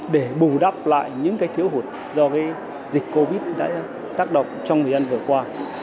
để bù đắp lại những cái thiếu hụt do cái dịch covid đã tác động trong người dân vừa qua